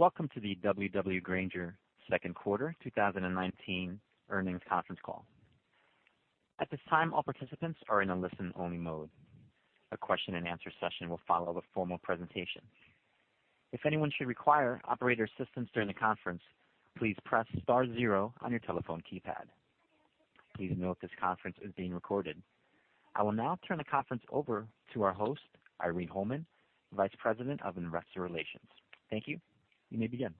Welcome to the W.W. Grainger Q2 2019 Earnings Conference Call. At this time, all participants are in a listen-only mode. A question-and-answer session will follow the formal presentation. If anyone should require operator assistance during the conference, please press star zero on your telephone keypad. Please note this conference is being recorded. I will now turn the conference over to our host, Irene Holman, Vice President of Investor Relations. Thank you. You may begin.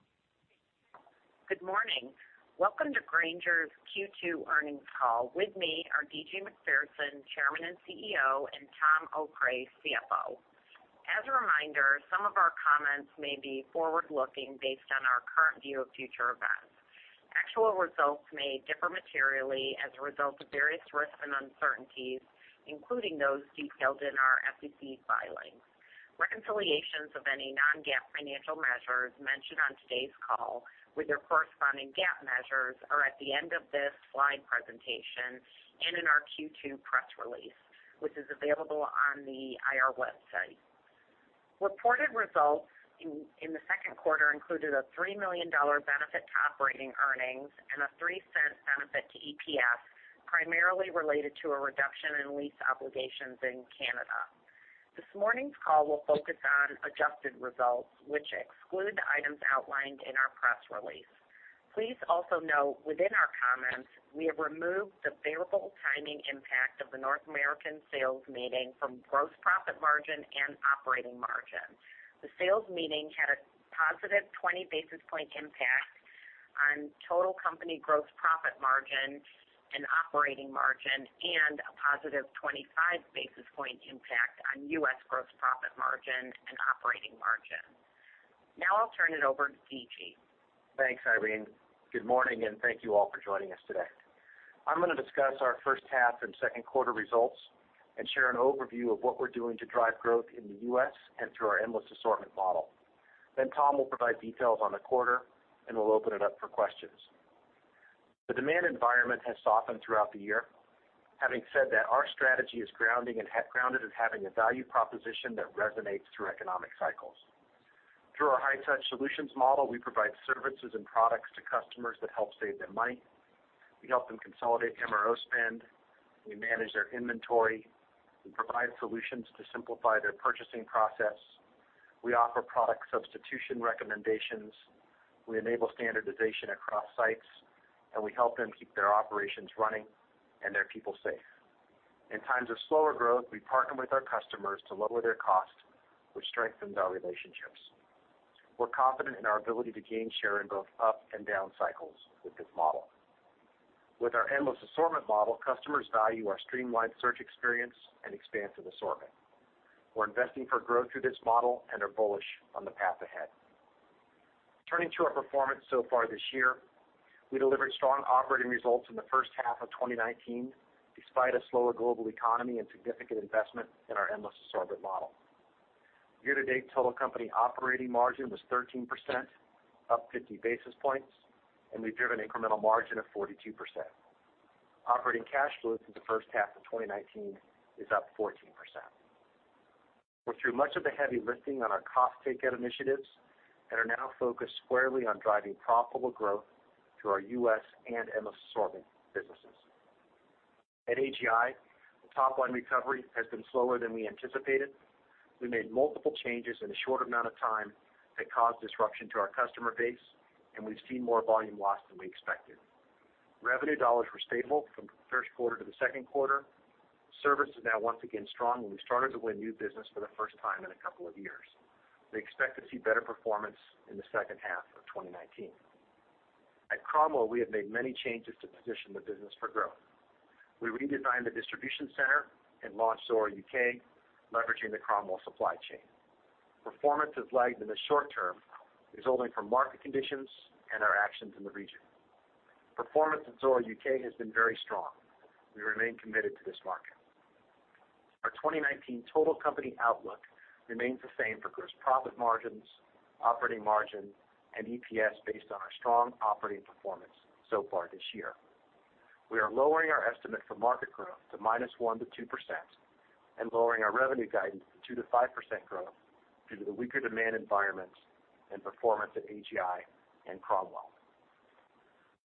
Good morning. Welcome to Grainger's Q2 earnings call. With me are D.G. Macpherson, Chairman and CEO, and Tom Okray, CFO. As a reminder, some of our comments may be forward-looking based on our current view of future events. Actual results may differ materially as a result of various risks and uncertainties, including those detailed in our SEC filings. Reconciliations of any non-GAAP financial measures mentioned on today's call with their corresponding GAAP measures are at the end of this slide presentation and in our Q2 press release, which is available on the IR website. Reported results in the Q2 included a $3 million benefit to operating earnings and a $0.03 benefit to EPS, primarily related to a reduction in lease obligations in Canada. This morning's call will focus on adjusted results, which exclude items outlined in our press release. Please also note within our comments, we have removed the variable timing impact of the North American sales meeting from gross profit margin and operating margin. The sales meeting had a positive 20 basis point impact on total company gross profit margin and operating margin, and a positive 25 basis point impact on U.S. gross profit margin and operating margin. I'll turn it over to D.G. Thanks, Irene. Good morning, and thank you all for joining us today. I'm gonna discuss our first half and Q2 results and share an overview of what we're doing to drive growth in the U.S. and through our endless assortment model. Tom will provide details on the quarter, and we'll open it up for questions. The demand environment has softened throughout the year. Having said that, our strategy is grounded in having a value proposition that resonates through economic cycles. Through our high-touch solutions model, we provide services and products to customers that help save them money. We help them consolidate MRO spend, we manage their inventory, we provide solutions to simplify their purchasing process, we offer product substitution recommendations, we enable standardization across sites, and we help them keep their operations running and their people safe. In times of slower growth, we partner with our customers to lower their costs, which strengthens our relationships. We're confident in our ability to gain share in both up and down cycles with this model. With our Endless Assortment Model, customers value our streamlined search experience and expansive assortment. We're investing for growth through this model and are bullish on the path ahead. Turning to our performance so far this year, we delivered strong operating results in the first half of 2019, despite a slower global economy and significant investment in our Endless Assortment Model. Year-to-date total company operating margin was 13%, up 50 basis points, and we've driven incremental margin of 42%. Operating cash flow through the first half of 2019 is up 14%. We're through much of the heavy lifting on our cost take-out initiatives and are now focused squarely on driving profitable growth through our U.S. and endless assortment businesses. At AGI, the top-line recovery has been slower than we anticipated. We made multiple changes in a short amount of time that caused disruption to our customer base, and we've seen more volume loss than we expected. Revenue dollars were stable from the Q1 to the Q2. Service is now once again strong, and we've started to win new business for the first time in a couple of years. We expect to see better performance in the second half of 2019. At Cromwell, we have made many changes to position the business for growth. We redesigned the distribution center and launched Zoro UK, leveraging the Cromwell supply chain. Performance has lagged in the short term resulting from market conditions and our actions in the region. Performance at Zoro UK has been very strong. We remain committed to this market. Our 2019 total company outlook remains the same for gross profit margins, operating margin, and EPS based on our strong operating performance so far this year. We are lowering our estimate for market growth to -1% to 2% and lowering our revenue guidance to 2%-5% growth due to the weaker demand environment and performance at AGI and Cromwell.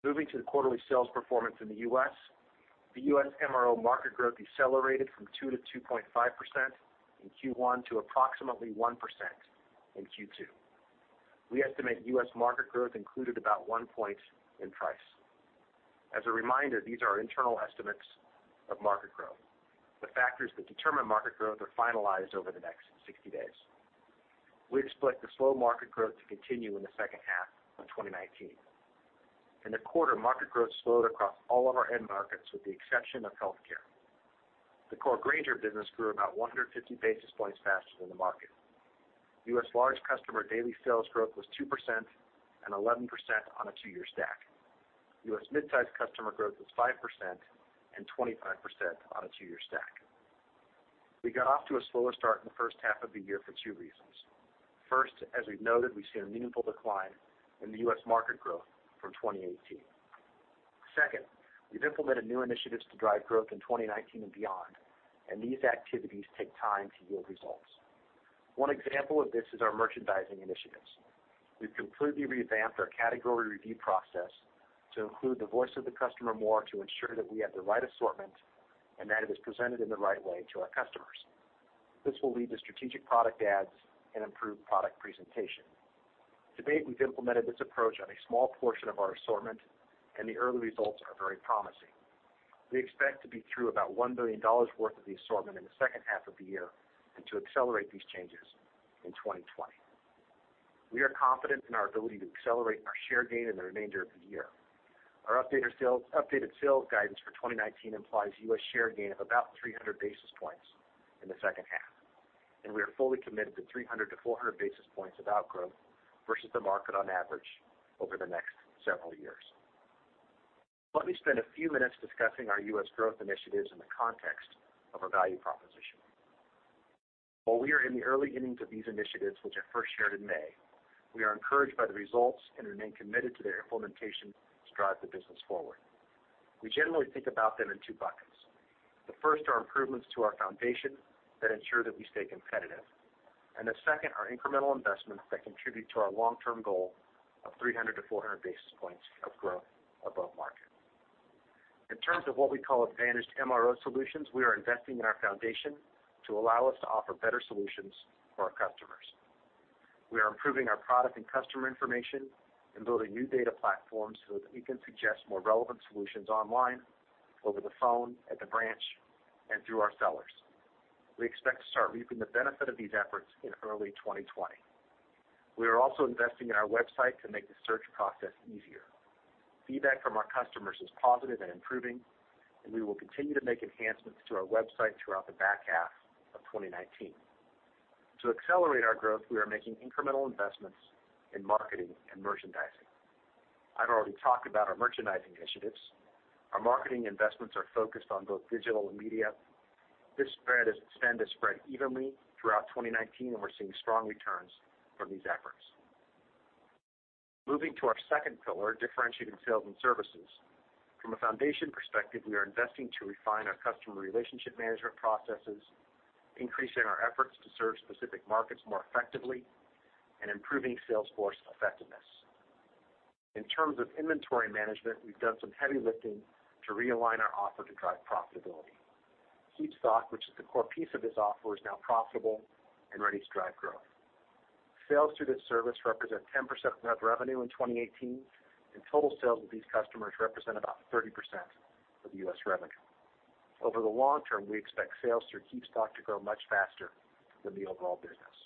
Moving to the quarterly sales performance in the U.S., the U.S. MRO market growth decelerated from 2%-2.5% in Q1 to approximately 1% in Q2. We estimate U.S. market growth included about one point in price. As a reminder, these are internal estimates of market growth. The factors that determine market growth are finalized over the next 60 days. We expect the slow market growth to continue in the second half of 2019. In the quarter, market growth slowed across all of our end markets, with the exception of healthcare. The core Grainger business grew about 150 basis points faster than the market. U.S. large customer daily sales growth was 2% and 11% on a two-year stack. U.S. mid-sized customer growth was 5% and 25% on a two-year stack. We got off to a slower start in the first half of the year for two reasons. First, as we've noted, we've seen a meaningful decline in the U.S. market growth from 2018. Second, we've implemented new initiatives to drive growth in 2019 and beyond, and these activities take time to yield results. 1 example of this is our merchandising initiatives. We've completely revamped our category review process to include the voice of the customer more to ensure that we have the right assortment and that it is presented in the right way to our customers. This will lead to strategic product adds and improved product presentation. To date, we've implemented this approach on a small portion of our assortment, and the early results are very promising. We expect to be through about $1 billion worth of the assortment in the second half of the year and to accelerate these changes in 2020. We are confident in our ability to accelerate our share gain in the remainder of the year. Our updated sales guidance for 2019 implies U.S. share gain of about 300 basis points in the second half, and we are fully committed to 300 to 400 basis points of outgrowth versus the market on average over the next several years. Let me spend a few minutes discussing our U.S. growth initiatives in the context of our value proposition. While we are in the early innings of these initiatives, which I first shared in May, we are encouraged by the results and remain committed to their implementation to drive the business forward. We generally think about them in 2 buckets. The first are improvements to our foundation that ensure that we stay competitive, and the second are incremental investments that contribute to our long-term goal of 300 to 400 basis points of growth above market. In terms of what we call advantaged MRO solutions, we are investing in our foundation to allow us to offer better solutions for our customers. We are improving our product and customer information and building new data platforms so that we can suggest more relevant solutions online, over the phone, at the branch, and through our sellers. We expect to start reaping the benefit of these efforts in early 2020. We are also investing in our website to make the search process easier. Feedback from our customers is positive and improving, and we will continue to make enhancements to our website throughout the back half of 2019. To accelerate our growth, we are making incremental investments in marketing and merchandising. I've already talked about our merchandising initiatives. Our marketing investments are focused on both digital and media. This spend is spread evenly throughout 2019, we're seeing strong returns from these efforts. Moving to our second pillar, differentiating sales and services. From a foundation perspective, we are investing to refine our customer relationship management processes, increasing our efforts to serve specific markets more effectively, and improving salesforce effectiveness. In terms of inventory management, we've done some heavy lifting to realign our offer to drive profitability. KeepStock, which is the core piece of this offer, is now profitable and ready to drive growth. Sales through this service represent 10% of net revenue in 2018, total sales of these customers represent about 30% of U.S. revenue. Over the long term, we expect sales through KeepStock to grow much faster than the overall business.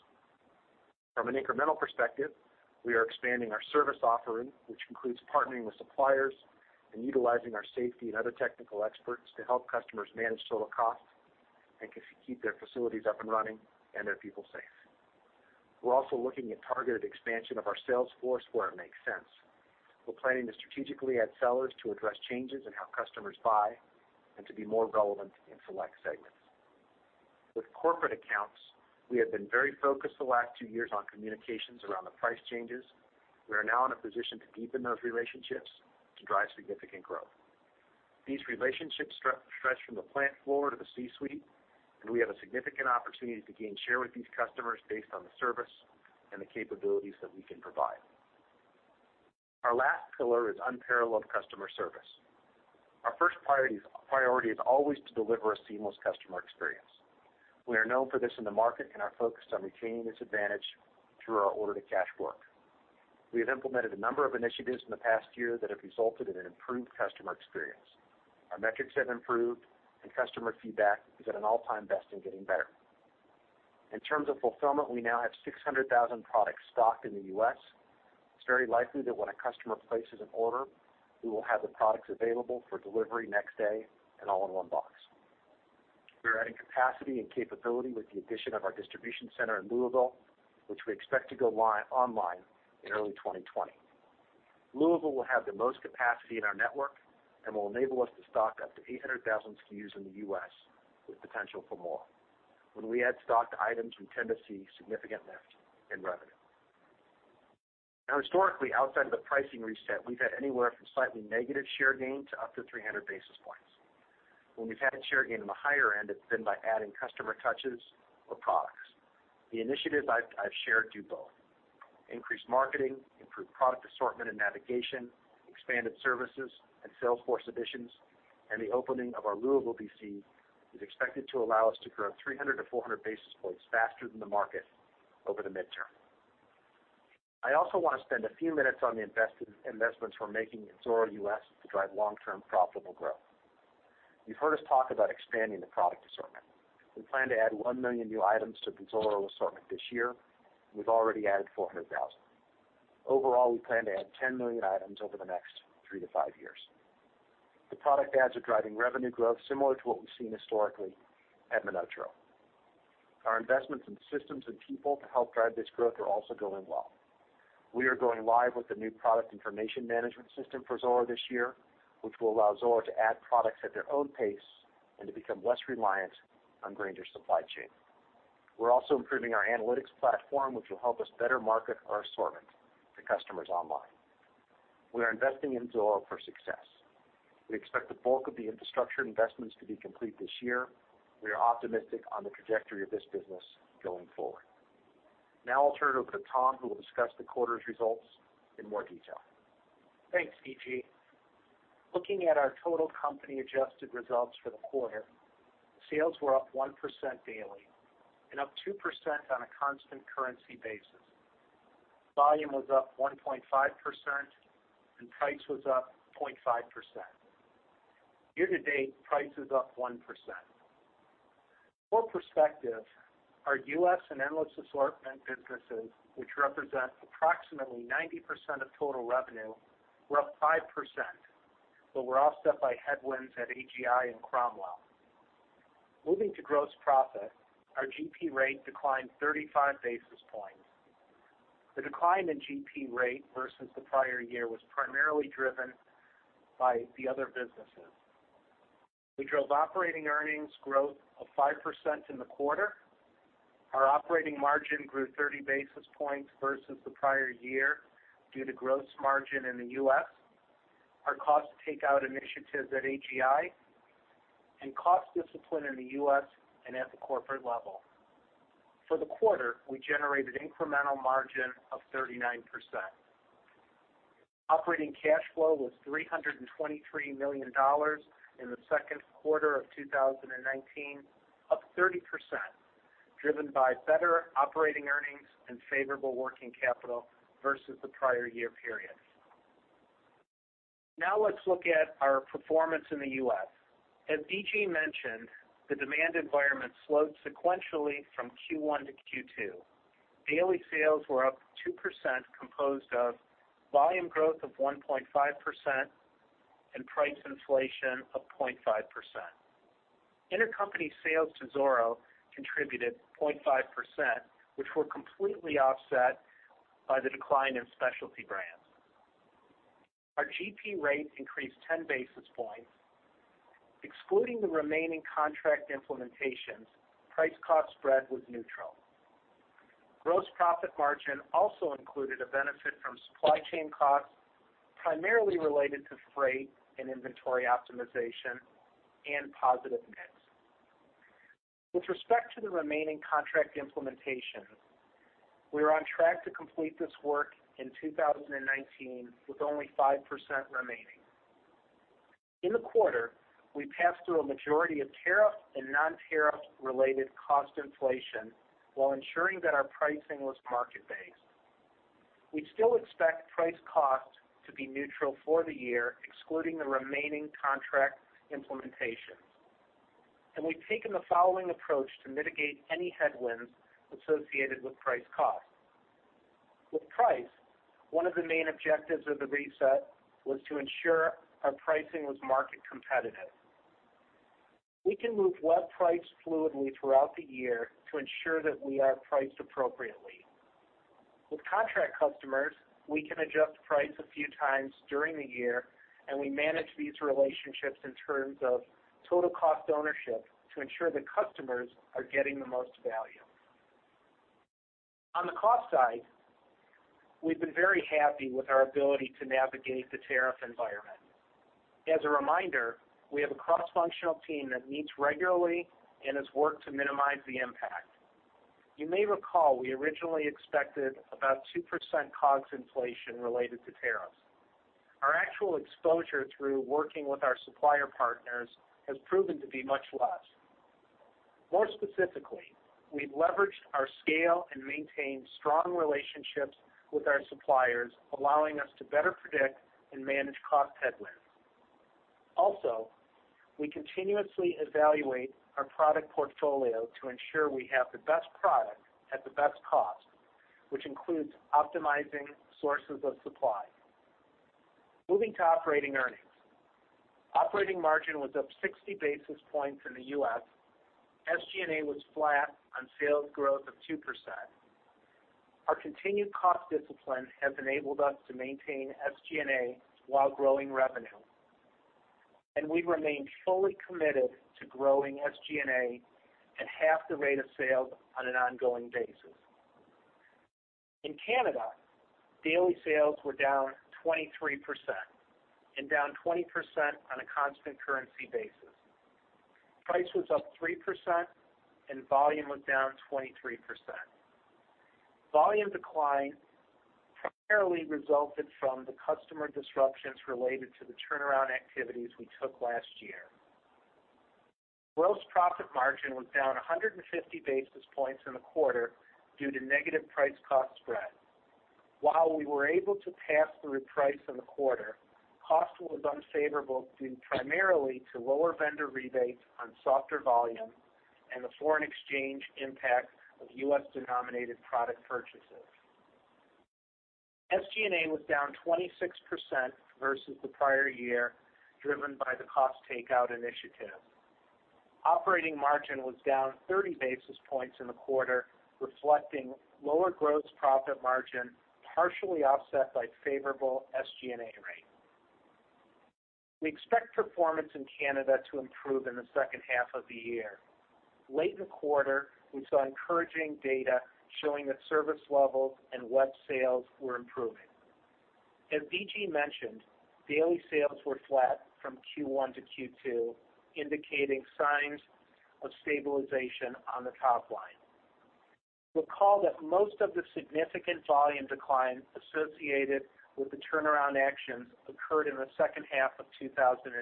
From an incremental perspective, we are expanding our service offering, which includes partnering with suppliers and utilizing our safety and other technical experts to help customers manage total costs and keep their facilities up and running and their people safe. We're also looking at targeted expansion of our sales force where it makes sense. We're planning to strategically add sellers to address changes in how customers buy and to be more relevant in select segments. With corporate accounts, we have been very focused the last two years on communications around the price changes. We are now in a position to deepen those relationships to drive significant growth. These relationships stretch from the plant floor to the C-suite, and we have a significant opportunity to gain share with these customers based on the service and the capabilities that we can provide. Our last pillar is unparalleled customer service. Our first priority is always to deliver a seamless customer experience. We are known for this in the market and are focused on retaining this advantage through our order-to-cash work. We have implemented a number of initiatives in the past year that have resulted in an improved customer experience. Our metrics have improved, and customer feedback is at an all-time best and getting better. In terms of fulfillment, we now have 600,000 products stocked in the U.S. It's very likely that when a customer places an order, we will have the products available for delivery next day and all in one box. We are adding capacity and capability with the addition of our distribution center in Louisville, which we expect to go online in early 2020. Louisville will have the most capacity in our network and will enable us to stock up to 800,000 SKUs in the U.S. with potential for more. When we add stock to items, we tend to see significant lift in revenue. Historically, outside of the pricing reset, we've had anywhere from slightly negative share gain to up to 300 basis points. When we've had a share gain on the higher end, it's been by adding customer touches or products. The initiatives I've shared do both. Increased marketing, improved product assortment and navigation, expanded services and sales force additions, and the opening of our Louisville DC is expected to allow us to grow 300-400 basis points faster than the market over the midterm. I also want to spend a few minutes on the investments we're making in Zoro US to drive long-term profitable growth. You've heard us talk about expanding the product assortment. We plan to add 1 million new items to the Zoro assortment this year. We've already added 400,000. Overall, we plan to add 10 million items over the next three to five years. The product adds are driving revenue growth similar to what we've seen historically at MonotaRO. Our investments in systems and people to help drive this growth are also going well. We are going live with the new product information management system for Zoro this year, which will allow Zoro to add products at their own pace and to become less reliant on Grainger's supply chain. We're also improving our analytics platform, which will help us better market our assortment to customers online. We are investing in Zoro for success. We expect the bulk of the infrastructure investments to be complete this year. We are optimistic on the trajectory of this business going forward. Now I'll turn it over to Tom, who will discuss the quarter's results in more detail. Thanks, D.G. Macpherson. Looking at our total company adjusted results for the quarter, sales were up 1% daily and up 2% on a constant currency basis. Volume was up 1.5% and price was up 0.5%. Year-to-date, price is up 1%. For perspective, our U.S. and endless assortment businesses, which represent approximately 90% of total revenue, were up 5%, but were offset by headwinds at AGI and Cromwell. Moving to gross profit, our GP rate declined 35 basis points. The decline in GP rate versus the prior year was primarily driven by the other businesses. We drove operating earnings growth of 5% in the quarter. Our operating margin grew 30 basis points versus the prior year due to gross margin in the U.S., our cost takeout initiatives at AGI, and cost discipline in the U.S. and at the corporate level. For the quarter, we generated incremental margin of 39%. Operating cash flow was $323 million in the Q2 of 2019, up 30%, driven by better operating earnings and favorable working capital versus the prior year period. Now let's look at our performance in the U.S. As DG mentioned, the demand environment slowed sequentially from Q1 to Q2. Daily sales were up 2%, composed of volume growth of 1.5% and price inflation of 0.5%. Intercompany sales to Zoro contributed 0.5%, which were completely offset by the decline in specialty brands. Our GP rate increased 10 basis points. Excluding the remaining contract implementations, price-cost spread was neutral. Gross profit margin also included a benefit from supply chain costs, primarily related to freight and inventory optimization and positive mix. With respect to the remaining contract implementation, we are on track to complete this work in 2019, with only 5% remaining. In the quarter, we passed through a majority of tariff and non-tariff related cost inflation while ensuring that our pricing was market-based. We still expect price cost to be neutral for the year, excluding the remaining contract implementations, and we've taken the following approach to mitigate any headwinds associated with price cost. With price, one of the main objectives of the reset was to ensure our pricing was market competitive. We can move web price fluidly throughout the year to ensure that we are priced appropriately. With contract customers, we can adjust price a few times during the year, and we manage these relationships in terms of total cost ownership to ensure that customers are getting the most value. On the cost side, we've been very happy with our ability to navigate the tariff environment. As a reminder, we have a cross-functional team that meets regularly and has worked to minimize the impact. You may recall we originally expected about 2% COGS inflation related to tariffs. Our actual exposure through working with our supplier partners has proven to be much less. More specifically, we've leveraged our scale and maintained strong relationships with our suppliers, allowing us to better predict and manage cost headwinds. We continuously evaluate our product portfolio to ensure we have the best product at the best cost, which includes optimizing sources of supply. Moving to operating earnings. Operating margin was up 60 basis points in the U.S. SG&A was flat on sales growth of 2%. Our continued cost discipline has enabled us to maintain SG&A while growing revenue. We remain fully committed to growing SG&A at half the rate of sales on an ongoing basis. In Canada, daily sales were down 23% and down 20% on a constant currency basis. Price was up 3% and volume was down 23%. Volume decline primarily resulted from the customer disruptions related to the turnaround activities we took last year. Gross profit margin was down 150 basis points in the quarter due to negative price-cost spread. While we were able to pass through price in the quarter, cost was unfavorable due primarily to lower vendor rebates on softer volume and the foreign exchange impact of U.S.-denominated product purchases. SG&A was down 26% versus the prior year, driven by the cost takeout initiative. Operating margin was down 30 basis points in the quarter, reflecting lower gross profit margin, partially offset by favorable SG&A rate. We expect performance in Canada to improve in the second half of the year. Late in the quarter, we saw encouraging data showing that service levels and web sales were improving. As DG mentioned, daily sales were flat from Q1 to Q2, indicating signs of stabilization on the top line. Recall that most of the significant volume decline associated with the turnaround actions occurred in the second half of 2018.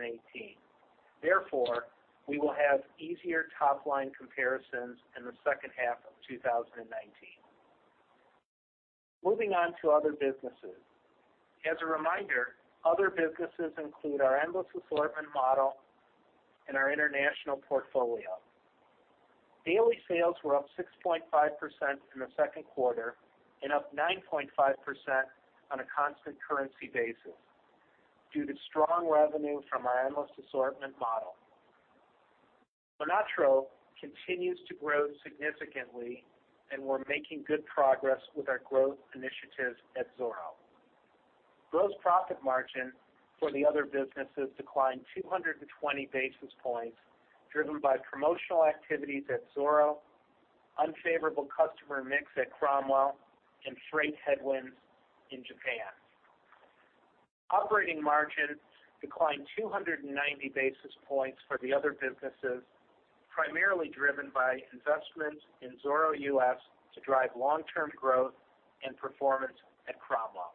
Therefore, we will have easier top-line comparisons in the second half of 2019. Moving on to other businesses. As a reminder, other businesses include our endless assortment model and our international portfolio. Daily sales were up 6.5% in the Q2 and up 9.5% on a constant currency basis due to strong revenue from our endless assortment model. MonotaRO continues to grow significantly, and we're making good progress with our growth initiatives at Zoro. Gross profit margin for the other businesses declined 220 basis points, driven by promotional activities at Zoro, unfavorable customer mix at Cromwell, and freight headwinds in Japan. Operating margin declined 290 basis points for the other businesses, primarily driven by investments in Zoro US to drive long-term growth and performance at Cromwell.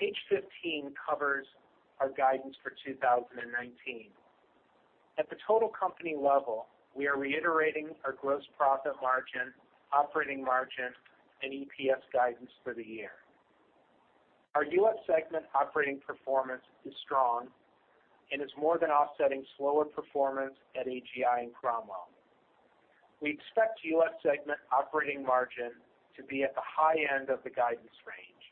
Page 15 covers our guidance for 2019. At the total company level, we are reiterating our gross profit margin, operating margin, and EPS guidance for the year. Our U.S. segment operating performance is strong and is more than offsetting slower performance at AGI and Cromwell. We expect U.S. segment operating margin to be at the high end of the guidance range,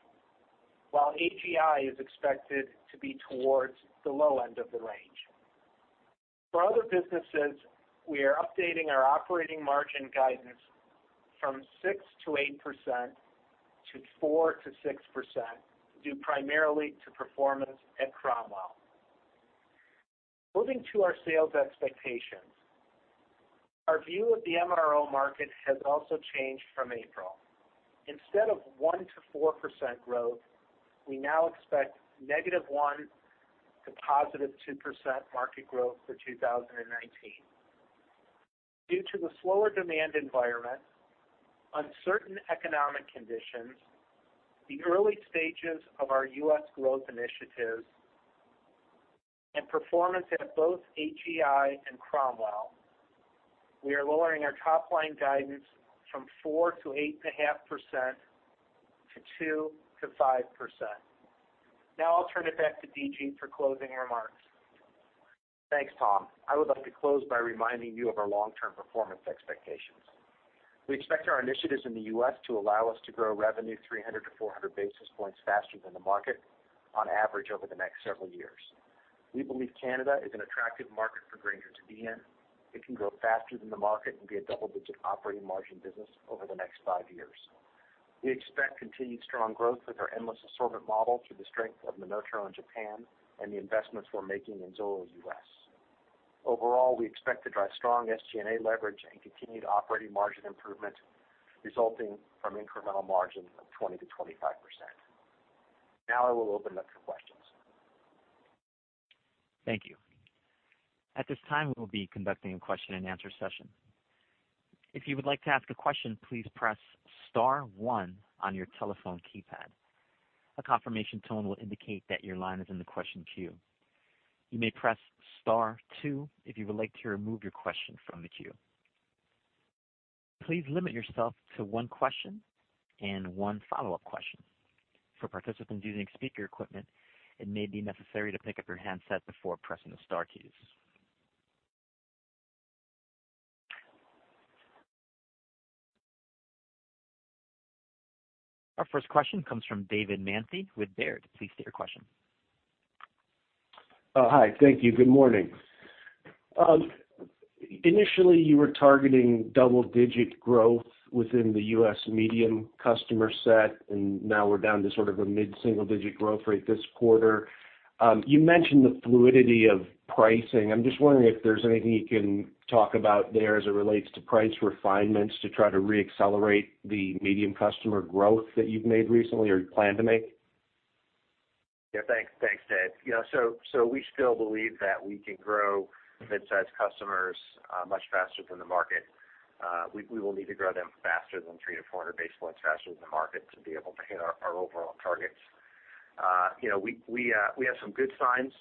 while AGI is expected to be towards the low end of the range. For other businesses, we are updating our operating margin guidance from 6%-8% to 4%-6% due primarily to performance at Cromwell. Moving to our sales expectations. Our view of the MRO market has also changed from April. Instead of 1%-4% growth, we now expect -1% to +2% market growth for 2019. Due to the slower demand environment, uncertain economic conditions, the early stages of our U.S. growth initiatives, and performance at both AGI and Cromwell, we are lowering our top-line guidance from 4%-8.5% to 2%-5%. Now I'll turn it back to DG for closing remarks. Thanks, Tom. I would like to close by reminding you of our long-term performance expectations. We expect our initiatives in the U.S. to allow us to grow revenue 300-400 basis points faster than the market on average over the next several years. We believe Canada is an attractive market for Grainger to be in. It can grow faster than the market and be a double-digit operating margin business over the next five years. We expect continued strong growth with our endless assortment model through the strength of MonotaRO in Japan and the investments we're making in Zoro U.S. Overall, we expect to drive strong SG&A leverage and continued operating margin improvement resulting from incremental margin of 20%-25%. Now I will open up for questions. Thank you. At this time, we will be conducting a question-and-answer session. If you would like to ask a question, please press star one on your telephone keypad. A confirmation tone will indicate that your line is in the question queue. You may press star two if you would like to remove your question from the queue. Please limit yourself to one question and one follow-up question. For participants using speaker equipment, it may be necessary to pick up your handset before pressing the star keys. Our first question comes from David Manthey with Baird. Please state your question. Oh, hi. Thank you. Good morning. Initially, you were targeting double-digit growth within the U.S. medium customer set, and now we're down to sort of a mid-single-digit growth rate this quarter. You mentioned the fluidity of pricing. I'm just wondering if there's anything you can talk about there as it relates to price refinements to try to reaccelerate the medium customer growth that you've made recently or you plan to make. Thanks. Thanks, David. We still believe that we can grow mid-sized customers much faster than the market. We will need to grow them faster than 300 to 400 basis points faster than the market to be able to hit our overall targets. You know, we have some good signs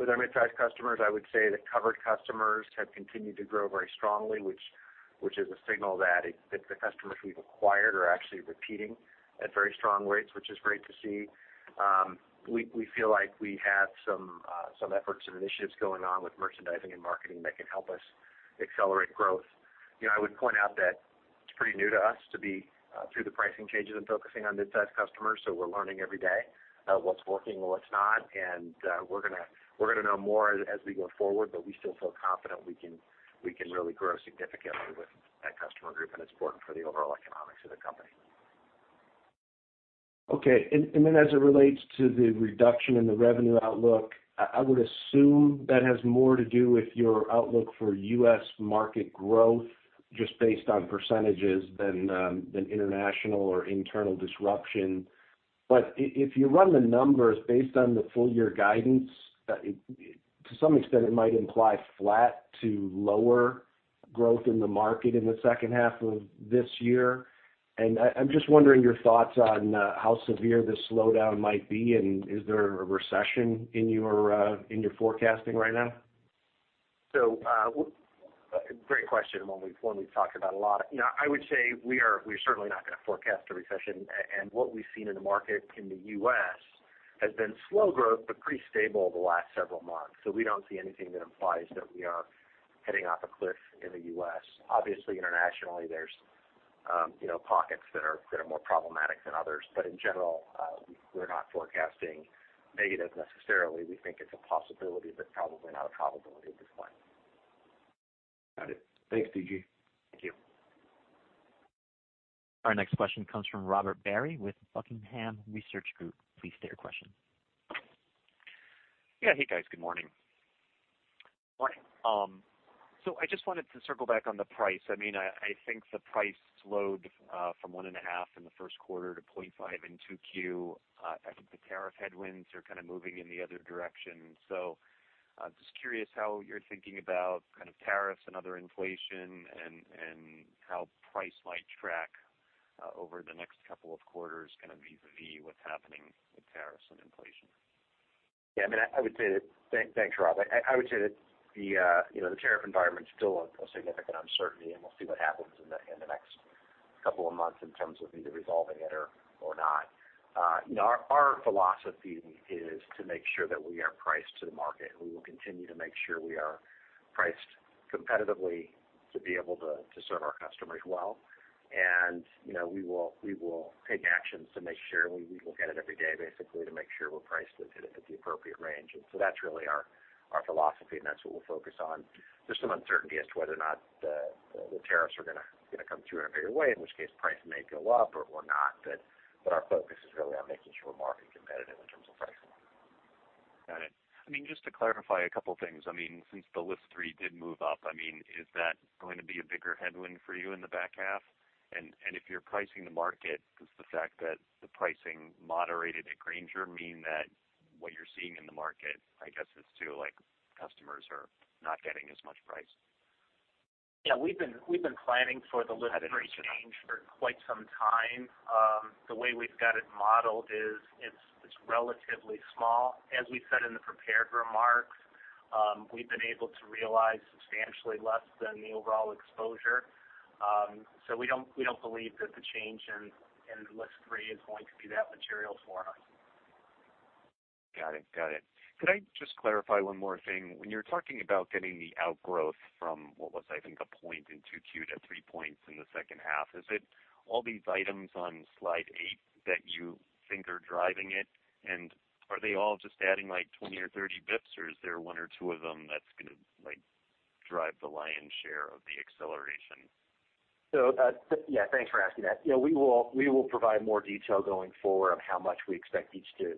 with our mid-sized customers. I would say that covered customers have continued to grow very strongly, which is a signal that the customers we’ve acquired are actually repeating at very strong rates, which is great to see. We feel like we have some efforts and initiatives going on with merchandising and marketing that can help us accelerate growth. You know, I would point out that it's pretty new to us to be through the pricing changes and focusing on mid-sized customers, so we're learning every day what's working and what's not. We're gonna know more as we go forward, but we still feel confident we can really grow significantly with that customer group, and it's important for the overall economics of the company. Okay. Then as it relates to the reduction in the revenue outlook, I would assume that has more to do with your outlook for U.S. market growth just based on % than international or internal disruption. If you run the numbers based on the full-year guidance, to some extent, it might imply flat to lower growth in the market in the second half of this year. I am just wondering your thoughts on how severe this slowdown might be, and is there a recession in your forecasting right now? Great question, one we've talked about a lot. You know, I would say we're certainly not gonna forecast a recession. And what we've seen in the market in the U.S. has been slow growth but pretty stable the last several months. We don't see anything that implies that we are heading off a cliff in the U.S. Obviously, internationally, there's, you know, pockets that are more problematic than others. In general, we're not forecasting negative necessarily. We think it's a possibility, but probably not a probability at this point. Got it. Thanks, D.G. Thank you. Our next question comes from Robert Barry with Buckingham Research Group. Please state your question. Yeah. Hey, guys. Good morning. Morning. I just wanted to circle back on the price. I mean, I think the price slowed from 1.5 in the Q1 to 0.5 in 2Q. I think the tariff headwinds are kind of moving in the other direction. I'm just curious how you're thinking about kind of tariffs and other inflation and how price might track over the next couple of quarters kind of vis-a-vis what's happening with tariffs and inflation. I mean, I would say that Thanks, Robert. I would say that, you know, the tariff environment's still a significant uncertainty. We'll see what happens in the next couple of months in terms of either resolving it or not. You know, our philosophy is to make sure that we are priced to the market. We will continue to make sure we are priced competitively to be able to serve our customers well. You know, we will take actions to make sure we look at it every day basically to make sure we're priced within it at the appropriate range. That's really our philosophy, and that's what we'll focus on. There's some uncertainty as to whether or not the tariffs are gonna come through in a bigger way, in which case price may go up or not. Our focus is really on making sure we're market competitive in terms of pricing. Got it. I mean, just to clarify a couple things. I mean, since the List three did move up, I mean, is that going to be a bigger headwind for you in the back half? If you're pricing the market, does the fact that the pricing moderated at Grainger mean that what you're seeing in the market, I guess, is too, like, customers are not getting as much price? Yeah. We've been planning for the List three change for quite some time. The way we've got it modeled is it's relatively small. As we said in the prepared remarks, we've been able to realize substantially less than the overall exposure. We don't believe that the change in List 3 is going to be that material for us. Got it. Got it. Could I just clarify one more thing? When you're talking about getting the outgrowth from what was, I think, a point in 2Q to 3 points in the second half, is it all these items on slide eight that you think are driving it? Are they all just adding, like, 20 or 30 basis points, or is there one or two of them that's gonna, like, drive the lion's share of the acceleration? Yeah, thanks for asking that. You know, we will provide more detail going forward on how much we expect each to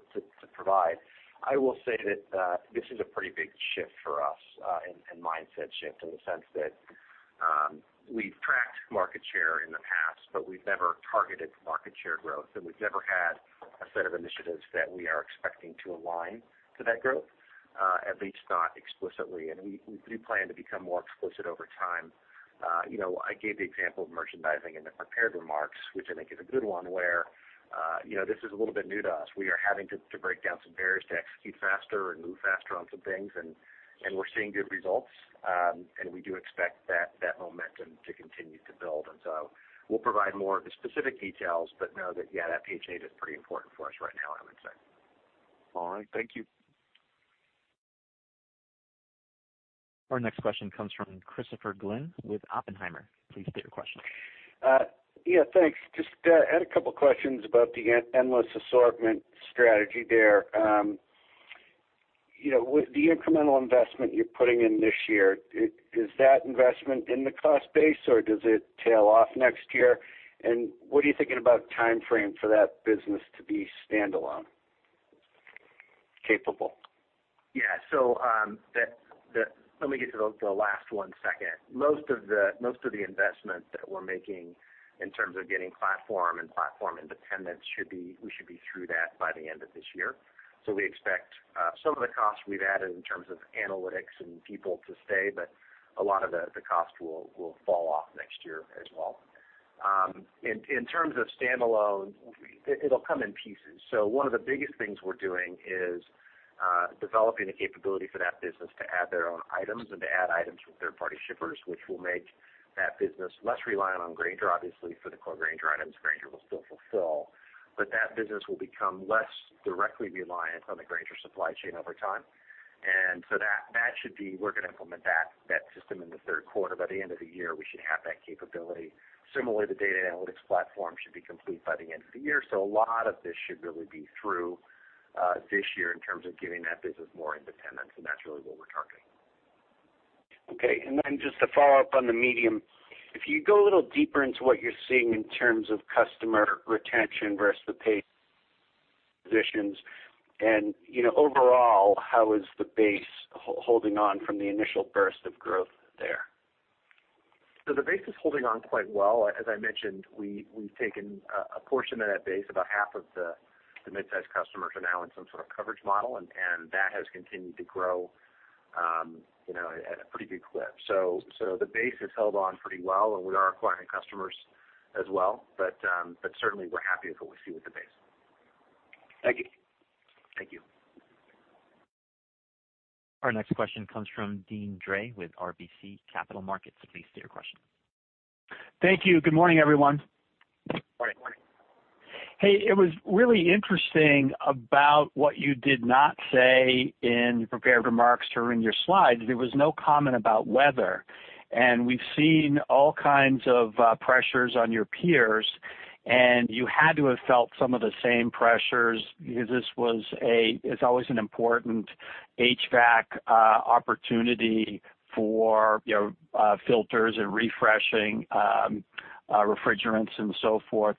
provide. I will say that this is a pretty big shift for us and mindset shift in the sense that we've tracked market share in the past, but we've never targeted market share growth, and we've never had a set of initiatives that we are expecting to align to that growth, at least not explicitly. We do plan to become more explicit over time. You know, I gave the example of merchandising in the prepared remarks, which I think is a good one, where, you know, this is a little bit new to us. We are having to break down some barriers to execute faster and move faster on some things, and we're seeing good results. We do expect that momentum to continue to build. We'll provide more of the specific details, but know that, yeah, that page 8 is pretty important for us right now, I would say. All right. Thank you. Our next question comes from Christopher Glynn with Oppenheimer. Please state your question. Yeah, thanks. Just had a couple questions about the endless assortment strategy there. You know, with the incremental investment you're putting in this year, is that investment in the cost base, or does it tail off next year? What are you thinking about timeframe for that business to be standalone capable? Let me get to the last one second. Most of the investment that we're making in terms of getting platform and platform independence we should be through that by the end of this year. We expect some of the costs we've added in terms of analytics and people to stay, but a lot of the cost will fall off next year as well. In terms of standalone, it'll come in pieces. One of the biggest things we're doing is developing the capability for that business to add their own items and to add items from third-party shippers, which will make that business less reliant on Grainger. Obviously, for the core Grainger items, Grainger will still fulfill. That business will become less directly reliant on the Grainger supply chain over time. We're going to implement that system in the Q3. By the end of the year, we should have that capability. Similarly, the data analytics platform should be complete by the end of the year. A lot of this should really be through this year in terms of giving that business more independence, and that's really what we're targeting. Okay. Just to follow up on the medium, if you go a little deeper into what you're seeing in terms of customer retention versus the acquisitions and, you know, overall, how is the base holding on from the initial burst of growth there? The base is holding on quite well. As I mentioned, we've taken a portion of that base. About half of the midsize customers are now in some sort of coverage model, and that has continued to grow, you know, at a pretty good clip. The base has held on pretty well, and we are acquiring customers as well. Certainly we're happy with what we see with the base. Thank you. Thank you. Our next question comes from Deane Dray with RBC Capital Markets. Please state your question. Thank you. Good morning, everyone. Morning. Hey, it was really interesting about what you did not say in your prepared remarks or in your slides. There was no comment about weather, and we've seen all kinds of pressures on your peers, and you had to have felt some of the same pressures because this was it's always an important HVAC opportunity for, you know, filters and refreshing refrigerants and so forth.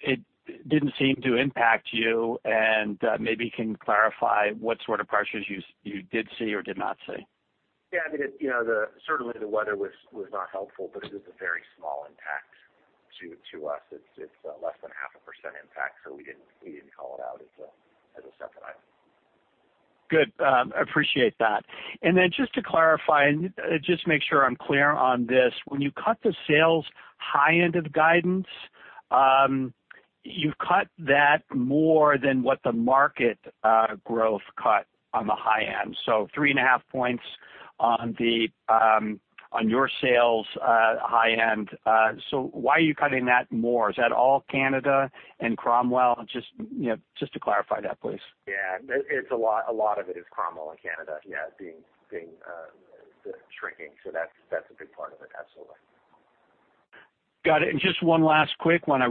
It didn't seem to impact you, and maybe you can clarify what sort of pressures you did see or did not see. Yeah, I mean, you know, certainly the weather was not helpful. It was a very small impact to us. It's less than half a % impact. We didn't call it out as a separate item. Good. Appreciate that. Just to clarify and just make sure I'm clear on this, when you cut the sales high end of the guidance, you've cut that more than what the market growth cut on the high end. 3.5 points on the on your sales high end. Why are you cutting that more? Is that all Canada and Cromwell? Just, you know, just to clarify that, please. Yeah. It's a lot of it is Cromwell and Canada, yeah, being the shrinking. That's a big part of it, absolutely. Got it. Just one last quick one.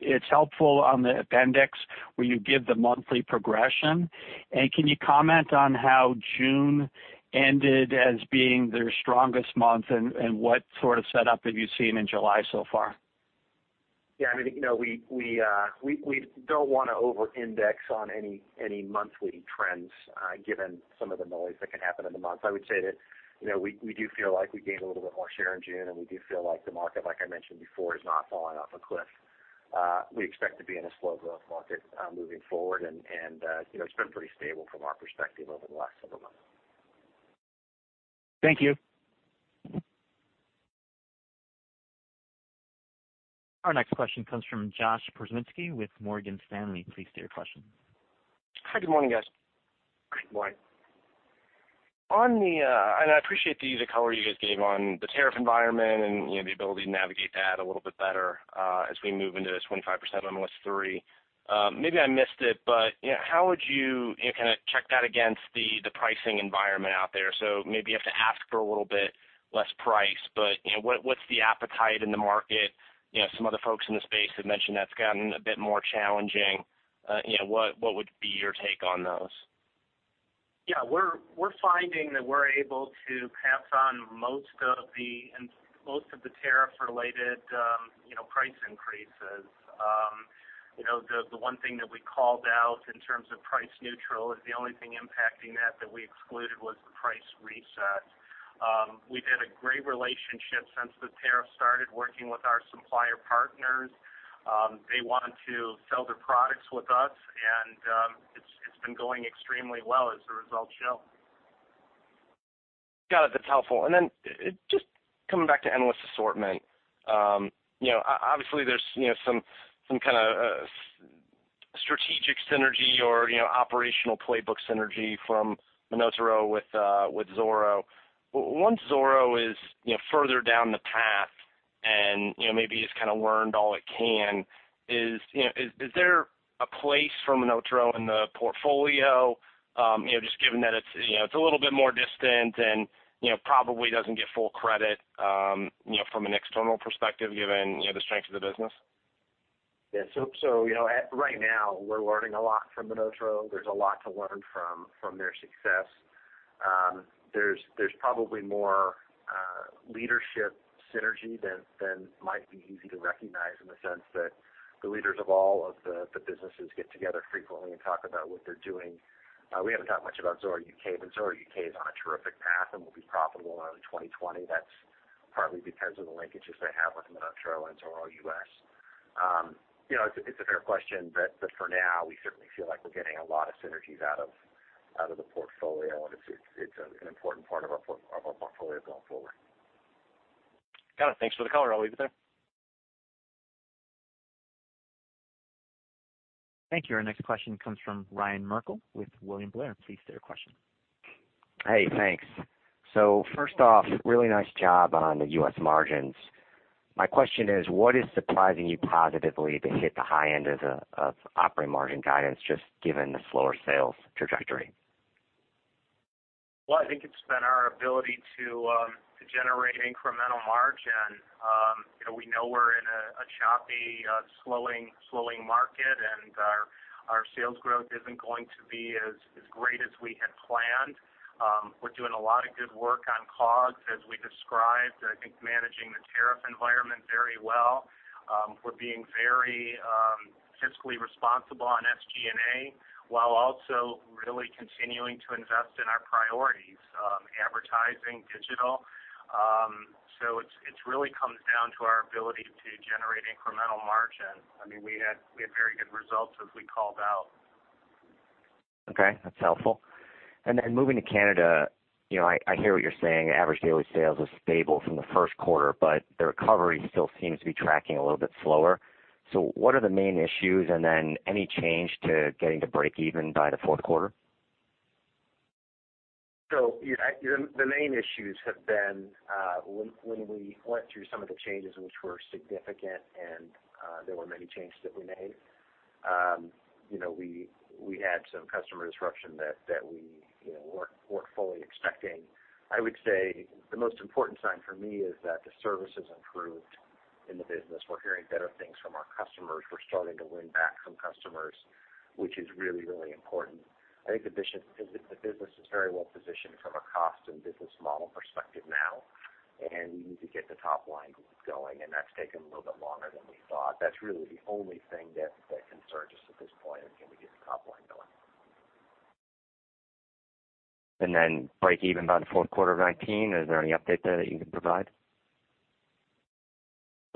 It's helpful on the appendix where you give the monthly progression. Can you comment on how June ended as being their strongest month, and what sort of setup have you seen in July so far? Yeah, I mean, you know, we don't wanna overindex on any monthly trends, given some of the noise that can happen in the month. I would say that, you know, we do feel like we gained a little bit more share in June, and we do feel like the market, like I mentioned before, is not falling off a cliff. We expect to be in a slow growth market, moving forward and, you know, it's been pretty stable from our perspective over the last several months. Thank you. Our next question comes from Joshua Pokrzywinski with Morgan Stanley. Please state your question. Hi. Good morning, guys. Good morning. I appreciate the color you guys gave on the tariff environment and, you know, the ability to navigate that a little bit better, as we move into the 25% on List three. Maybe I missed it, but, you know, how would you know, kinda check that against the pricing environment out there? Maybe you have to ask for a little bit less price, but, you know, what's the appetite in the market? You know, some of the folks in the space have mentioned that's gotten a bit more challenging. You know, what would be your take on those? Yeah. We're finding that we're able to pass on in most of the tariff related, you know, price increases. You know, the one thing that we called out in terms of price neutral is the only thing impacting that we excluded was the price reset. We've had a great relationship since the tariff started working with our supplier partners. They want to sell their products with us, and it's been going extremely well as the results show. Got it. That's helpful. Just coming back to endless assortment, you know, obviously there's, you know, some kinda strategic synergy or, you know, operational playbook synergy from MonotaRO with Zoro. Once Zoro is, you know, further down the path and, you know, maybe it's kinda learned all it can, is there a place for MonotaRO in the portfolio, you know, just given that it's, you know, it's a little bit more distant and, you know, probably doesn't get full credit, you know, from an external perspective given, you know, the strength of the business? You know, right now we're learning a lot from MonotaRO. There's a lot to learn from their success. There's probably more leadership synergy than might be easy to recognize in the sense that the leaders of all of the businesses get together frequently and talk about what they're doing. We haven't talked much about Zoro UK. Zoro UK is on a terrific path and will be profitable in early 2020. That's partly because of the linkages they have with MonotaRO and Zoro US. You know, it's a fair question. For now, we certainly feel like we're getting a lot of synergies out of the portfolio, and it's an important part of our portfolio going forward. Got it. Thanks for the color. I'll leave it there. Thank you. Our next question comes from Ryan Merkel with William Blair. Please state your question. Hey, thanks. First off, really nice job on the U.S. margins. My question is, what is surprising you positively to hit the high end of the operating margin guidance just given the slower sales trajectory? Well, I think it's been our ability to generate incremental margin. You know, we know we're in a choppy, slowing market, and our sales growth isn't going to be as great as we had planned. We're doing a lot of good work on COGS, as we described. I think managing the tariff environment very well. We're being very fiscally responsible on SG&A, while also really continuing to invest in our priorities, advertising, digital. So it's really comes down to our ability to generate incremental margin. I mean, we had very good results as we called out. Okay, that's helpful. Moving to Canada, you know, I hear what you're saying. Average daily sales is stable from the Q1, but the recovery still seems to be tracking a little bit slower. What are the main issues? Then any change to getting to breakeven by the Q4? Yeah, the main issues have been when we went through some of the changes which were significant, there were many changes that we made. You know, we had some customer disruption that we, you know, weren't fully expecting. I would say the most important sign for me is that the service has improved in the business. We're hearing better things from our customers. We're starting to win back some customers, which is really important. I think the business is very well positioned from a cost and business model perspective now. We need to get the top line going, that's taken a little bit longer than we thought. That's really the only thing that concerns us at this point is can we get the top line going. Breakeven by the Q4 of 2019, is there any update there that you can provide?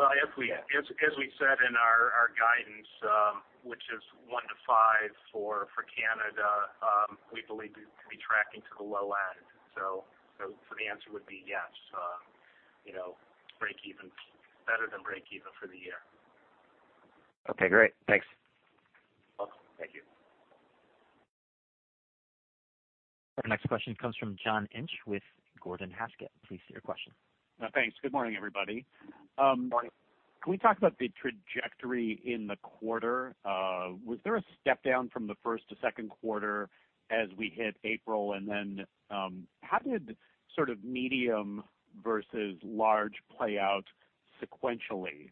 Well, as we said in our guidance, which is 1%-5% for Canada, we believe it to be tracking to the low end. The answer would be yes. You know, breakeven, better than breakeven for the year. Okay, great. Thanks. Welcome. Thank you. Our next question comes from John Inch with Gordon Haskett. Please state your question. thanks. Good morning, everybody. Good morning. Can we talk about the trajectory in the quarter? Was there a step down from the first to Q2 as we hit April? How did sort of medium versus large play out sequentially?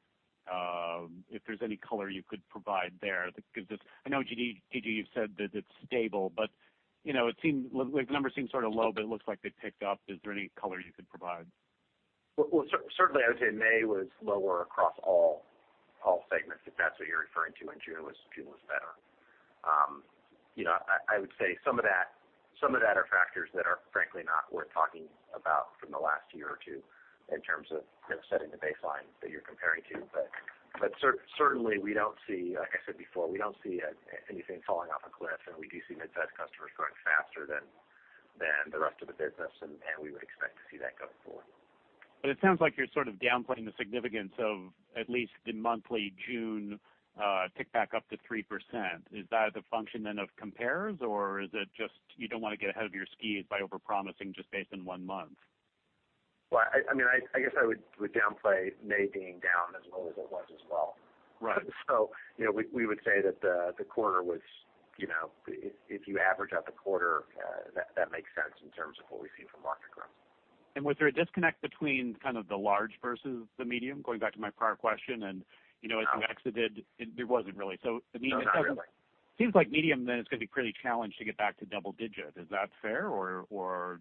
If there's any color you could provide there because I know, D.G., you've said that it's stable, but, you know, it seemed Like the numbers seem sort of low, but it looks like they picked up. Is there any color you could provide? Certainly, I would say May was lower across all segments, if that's what you're referring to, and June was better. You know, I would say some of that are factors that are frankly not worth talking about from the last year or two in terms of, you know, setting the baseline that you're comparing to. Certainly, we don't see, like I said before, we don't see anything falling off a cliff, and we do see midsize customers growing faster than the rest of the business, and we would expect to see that going forward. It sounds like you're sort of downplaying the significance of at least the monthly June tick back up to 3%. Is that a function then of compares, or is it just you don't wanna get ahead of your skis by overpromising just based on one month? Well, I mean, I guess I would downplay May being down as well as it was as well. Right. you know, we would say that the quarter was, you know If you average out the quarter, that makes sense in terms of what we see from market growth. Was there a disconnect between kind of the large versus the medium, going back to my prior question? No. As you exited, there wasn't really. No, not really. It seems like medium, then, is gonna be pretty challenged to get back to double digit. Is that fair, or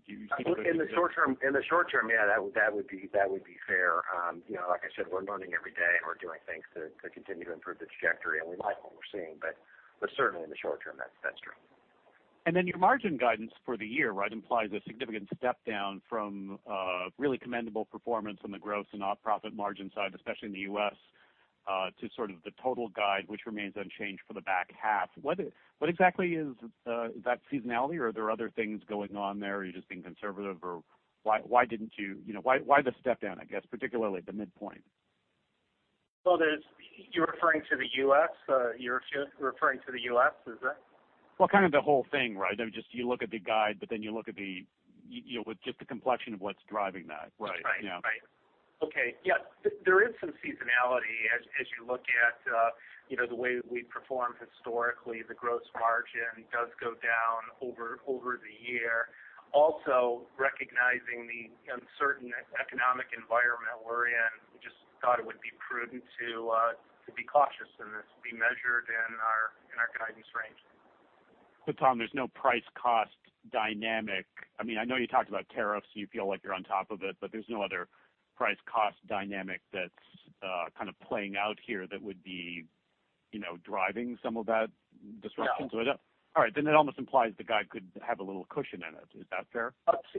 do you see? In the short term, yeah, that would be fair. You know, like I said, we're learning every day, and we're doing things to continue to improve the trajectory, and we like what we're seeing. Certainly in the short term, that's true. Your margin guidance for the year, right, implies a significant step down from really commendable performance on the gross and op profit margin side, especially in the U.S., to sort of the total guide, which remains unchanged for the back half. Is that seasonality, or are there other things going on there? Are you just being conservative, or why didn't you You know, why the step down, I guess, particularly at the midpoint? You're referring to the U.S.? Well, kind of the whole thing, right? I mean, just you look at the guide, but then you look at the, you know, with just the complexion of what's driving that, right? That's right. Yeah. Right. Okay. Yeah. There is some seasonality as you look at, you know, the way that we've performed historically. The gross margin does go down over the year. Recognizing the uncertain economic environment we're in, we just thought it would be prudent to be cautious in this, be measured in our guidance range. Tom, there's no price-cost dynamic. I mean, I know you talked about tariffs, and you feel like you're on top of it, but there's no other price-cost dynamic that's kind of playing out here that would be, you know, driving some of that disruption. No. All right. It almost implies the guide could have a little cushion in it. Is that fair?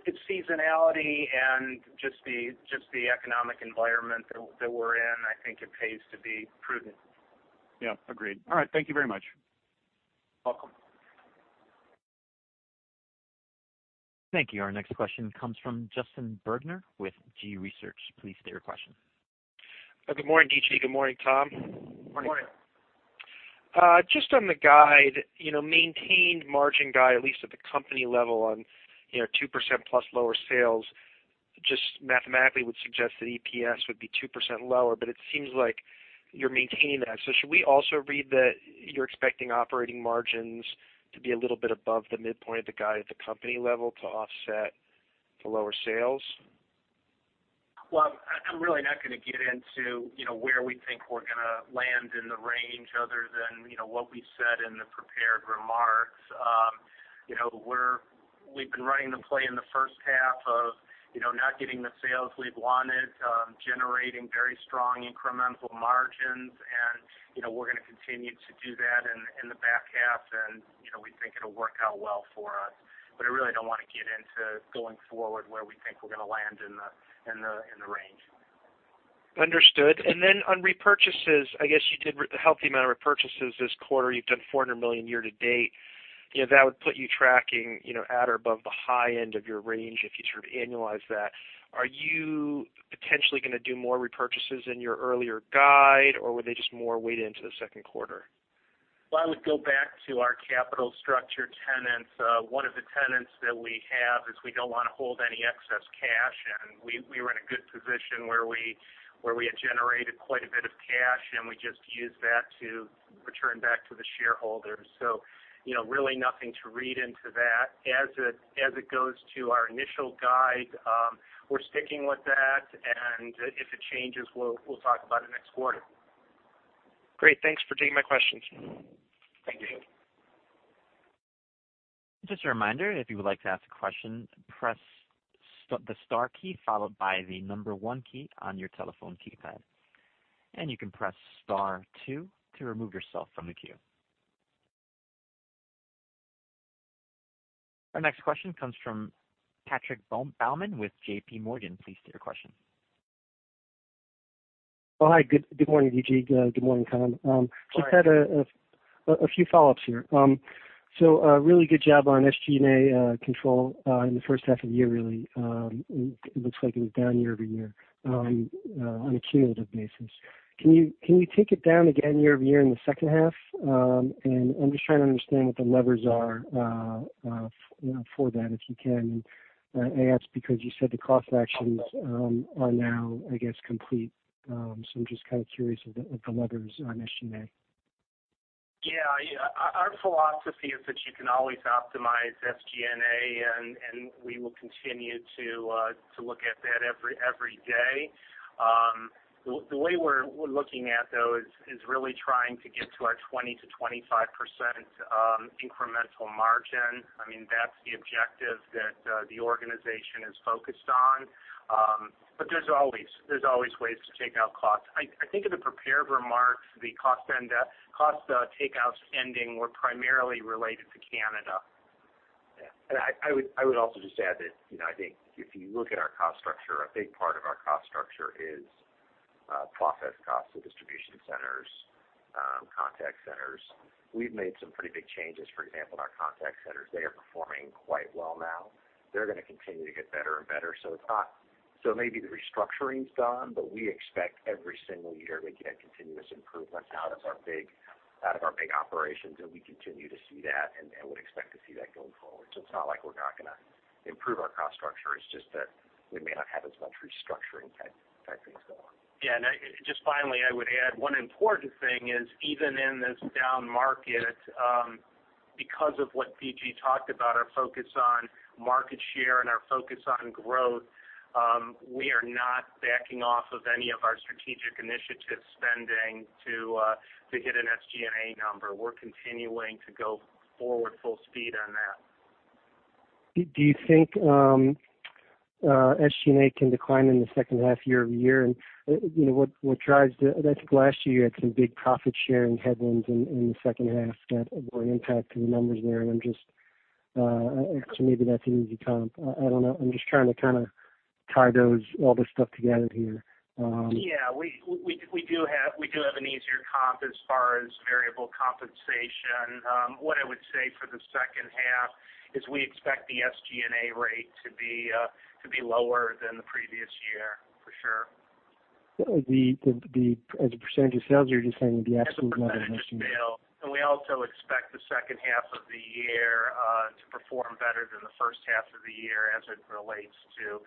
It's seasonality and just the economic environment that we're in. I think it pays to be prudent. Yeah, agreed. All right. Thank you very much. Welcome. Thank you. Our next question comes from Justin Bergner with G.research, LLC. Please state your question. Good morning, D.G. Good morning, Tom. Morning. Just on the guide, you know, maintained margin guide, at least at the company level on, you know, 2%+ lower sales. Just mathematically would suggest that EPS would be 2% lower, but it seems like you're maintaining that. Should we also read that you're expecting operating margins to be a little bit above the midpoint of the guide at the company level to offset the lower sales? Well, I'm really not gonna get into, you know, where we think we're gonna land in the range other than, you know, what we said in the prepared remarks. You know, we've been running the play in the first half of, you know, not getting the sales we've wanted, generating very strong incremental margins. You know, we're gonna continue to do that in the back half. You know, we think it'll work out well for us. I really don't wanna get into going forward where we think we're gonna land in the range. Understood. Then on repurchases, I guess you did a healthy amount of repurchases this quarter. You've done $400 million year to date. You know, that would put you tracking, you know, at or above the high end of your range if you sort of annualize that. Are you potentially gonna do more repurchases in your earlier guide, or were they just more weighted into the Q2? Well, I would go back to our capital structure tenets. One of the tenets that we have is we don't want to hold any excess cash, and we were in a good position where we had generated quite a bit of cash, and we just used that to return back to the shareholders. You know, really nothing to read into that. As it goes to our initial guide, we're sticking with that, and if it changes, we'll talk about it next quarter. Great. Thanks for taking my questions. Thank you. Just a reminder, if you would like to ask a question, press the star key followed by the number one key on your telephone keypad. You can press star two to remove yourself from the queue. Our next question comes from Patrick Baumann with JPMorgan. Please state your question. Hi. Good morning, D.G. Good morning, Tom. Just had a few follow-ups here. Really good job on SG&A control in the first half of the year really. It looks like it was down year-over-year on a cumulative basis. Can you take it down again year-over-year in the second half? I'm just trying to understand what the levers are, you know, for that, if you can. I ask because you said the cost actions are now, I guess, complete. So I'm just kind of curious of the levers on SG&A. Yeah. Our philosophy is that you can always optimize SG&A, and we will continue to look at that every day. The way we're looking at, though, is really trying to get to our 20%-25% incremental margin. I mean, that's the objective that the organization is focused on. There's always ways to take out costs. I think in the prepared remarks, the cost and cost takeouts ending were primarily related to Canada. Yeah. I would also just add that, you know, I think if you look at our cost structure, a big part of our cost structure is process costs of distribution centers, contact centers. We've made some pretty big changes, for example, in our contact centers. They are performing quite well now. They're gonna continue to get better and better. Maybe the restructuring's done, but we expect every single year to get continuous improvement out of our big operations, and we continue to see that and would expect to see that going forward. It's not like we're not gonna improve our cost structure. It's just that we may not have as much restructuring type things going on. Yeah. Just finally, I would add one important thing is even in this down market, because of what D.G talked about, our focus on market share and our focus on growth, we are not backing off of any of our strategic initiative spending to hit an SG&A number. We're continuing to go forward full speed on that. Do you think SG&A can decline in the second half year-over-year? You know, what drives the I think last year you had some big profit-sharing headwinds in the second half that were an impact to the numbers there. I'm just, so maybe that's an easy comp. I don't know. I'm just trying to kinda tie those, all this stuff together here. We do have an easier comp as far as variable compensation. What I would say for the second half is we expect the SG&A rate to be lower than the previous year, for sure. As a percentage of sales, you're just saying the absolute number. As a percentage of sales. We also expect the second half of the year to perform better than the first half of the year as it relates to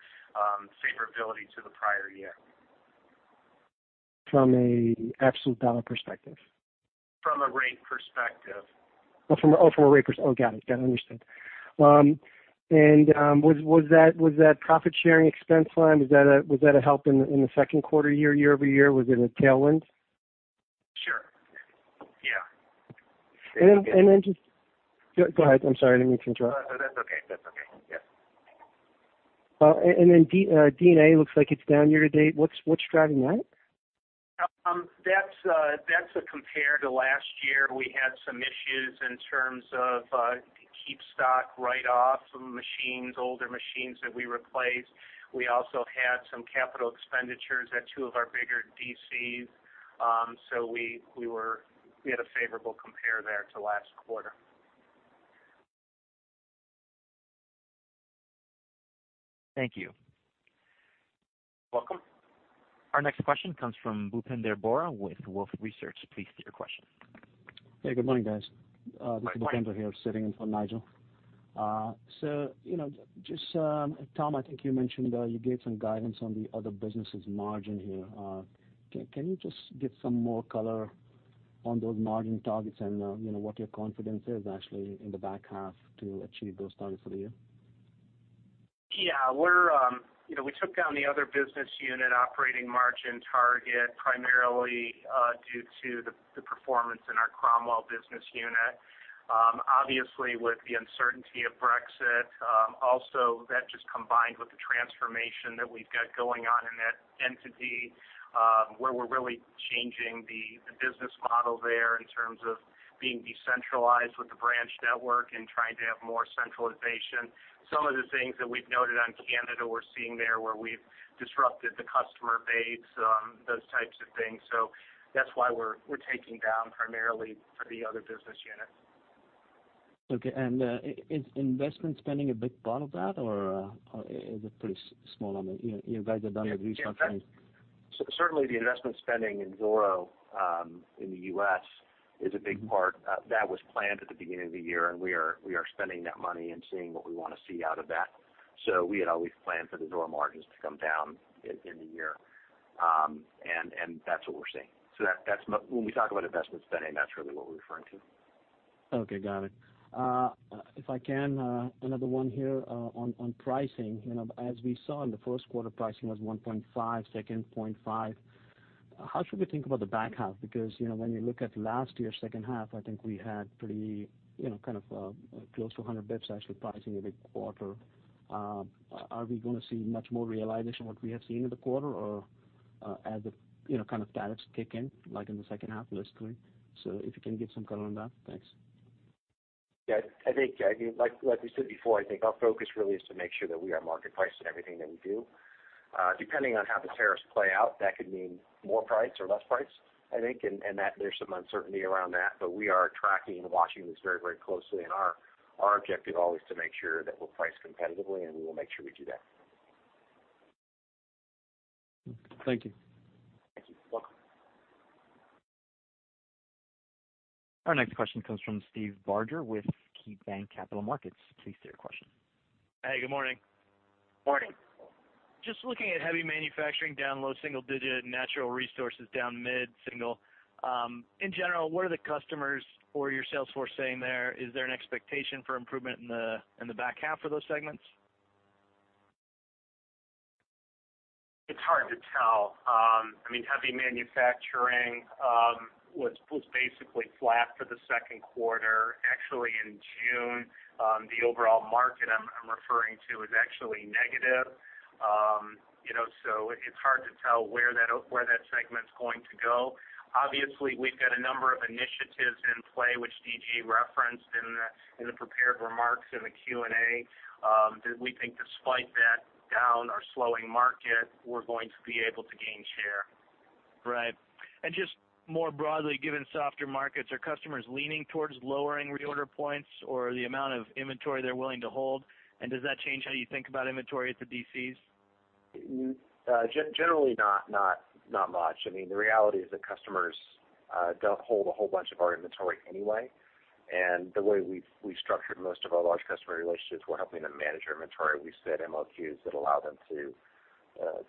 favorability to the prior year. From a absolute dollar perspective? From a rate perspective. Oh, from a rate. Oh, got it. Got it. Understood. Was that profit-sharing expense line, was that a help in the Q2 year-over-year? Was it a tailwind? Sure. Yeah. Then just Go ahead. I'm sorry. I didn't mean to interrupt. No, that's okay. That's okay. Yeah. Then D&A looks like it's down year-to-date. What's driving that? That's a compare to last year. We had some issues in terms of KeepStock write-off from machines, older machines that we replaced. We also had some capital expenditures at 2 of our bigger DCs. We had a favorable compare there to last quarter. Thank you. Welcome. Our next question comes from Bhupinder Singh with Wolfe Research. Please state your question. Hey, good morning, guys. Good morning. This is here sitting in for Singh. So, you know, just, Tom, I think you mentioned, you gave some guidance on the other businesses margin here. Can you just give some more color on those margin targets and, you know, what your confidence is actually in the back half to achieve those targets for the year? Yeah. We're, you know, we took down the other business unit operating margin target primarily due to the performance in our Cromwell business unit. Obviously, with the uncertainty of Brexit, also that just combined with the transformation that we got going on in that entity, where we're really changing the business model there in terms of being decentralized with the branch network and trying to have more centralization. Some of the things that we've noted on Canada, we're seeing there where we've disrupted the customer base, those types of things. That's why we're taking down primarily for the other business units. Okay. Is investment spending a big part of that? Or is it a pretty small amount? You guys have done a great job trying. Certainly the investment spending in Zoro, in the U.S. is a big part. That was planned at the beginning of the year, and we are spending that money and seeing what we wanna see out of that. We had always planned for the Zoro margins to come down in the year. That's what we're seeing. When we talk about investment spending, that's really what we're referring to. Okay, got it. If I can, another one here, on pricing. You know, as we saw in the Q1, pricing was 1.5%, second 0.5%. How should we think about the back half? Because, you know, when you look at last year's second half, I think we had pretty, you know, kind of, close to 100 basis points actually pricing every quarter. Are we gonna see much more realization what we have seen in the quarter? Or, as the, you know, kind of tariffs kick in, like in the second half historically. If you can give some color on that. Thanks. Yeah. I think, I mean, like we said before, our focus really is to make sure that we are market priced in everything that we do. Depending on how the tariffs play out, that could mean more price or less price, I think. That there's some uncertainty around that, but we are tracking and watching this very, very closely and our objective always to make sure that we'll price competitively, and we will make sure we do that. Thank you. Thank you. Welcome. Our next question comes from Steve Barger with KeyBanc Capital Markets. Please state your question. Hey, good morning. Morning. Just looking at heavy manufacturing down low single digit, natural resources down mid single. In general, what are the customers or your sales force saying there? Is there an expectation for improvement in the back half for those segments? It's hard to tell. I mean, heavy manufacturing was basically flat for the second quarter. Actually, in June, the overall market I'm referring to is actually negative. You know, so it's hard to tell where that segment's going to go. Obviously, we've got a number of initiatives in play, which DG referenced in the prepared remarks in the Q&A, that we think despite that down or slowing market, we're going to be able to gain share. Right. Just more broadly, given softer markets, are customers leaning towards lowering reorder points or the amount of inventory they're willing to hold? Does that change how you think about inventory at the DCs? Generally not much. I mean, the reality is that customers don't hold a whole bunch of our inventory anyway. The way we structured most of our large customer relationships, we're helping them manage their inventory. We set MOQs that allow them to